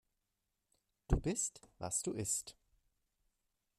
Du bist, was du isst.